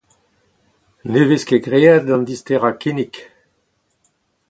Ne vez ket graet an disterañ kinnig.